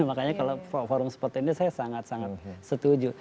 makanya kalau forum seperti ini saya sangat sangat setuju